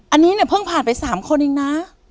อันนี้เนี่ยเพิ่งผ่านไป๓คนเองนะ